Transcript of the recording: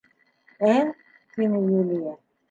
— Ә, — тине Юлия.